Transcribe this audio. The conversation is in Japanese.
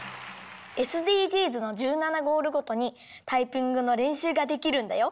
ＳＤＧｓの１７ゴールごとにタイピングのれんしゅうができるんだよ。